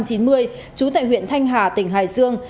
trú tại huyện thanh hà tỉnh hải dương